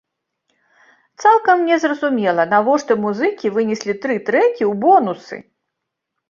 Цалкам незразумела, навошта музыкі вынеслі тры трэкі ў бонусы.